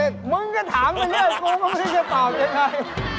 มึงก็ถามวิเลี่ยวกับกูว่ามันไม่ใช่ฝ่าวด้วยไง